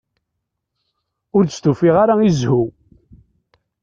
Ur d-stufiɣ ara i zzhu.